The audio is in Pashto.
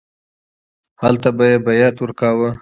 هلته به یې بیعت ورکاوه.